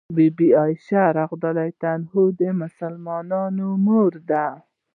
بي بي عائشه رض د مسلمانانو مور ده